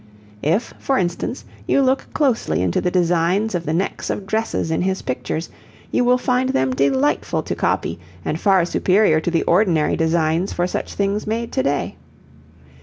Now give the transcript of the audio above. If, for instance, you look closely into the designs of the necks of dresses in his pictures, you will find them delightful to copy and far superior to the ordinary designs for such things made to day.